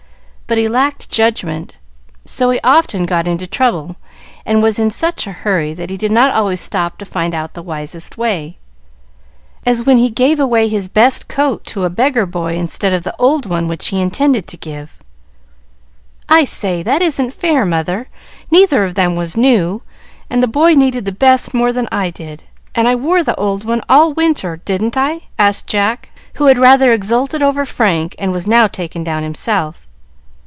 But he lacked judgment, so he often got into trouble, and was in such a hurry that he did not always stop to find out the wisest way. As when he gave away his best coat to a beggar boy, instead of the old one which he intended to give." "I say, that isn't fair, mother! Neither of them was new, and the boy needed the best more than I did, and I wore the old one all winter, didn't I?" asked Jack, who had rather exulted over Frank, and was now taken down himself.